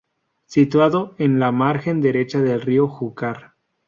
Situado en la margen derecha del río Júcar.